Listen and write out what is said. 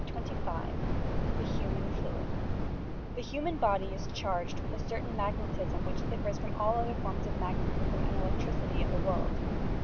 CHAPTER XXV THE HUMAN "FLUID" The human body is charged with a certain magnetism which differs from all other forms of magnetism and electricity in the world.